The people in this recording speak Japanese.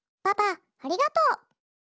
パパありがとう。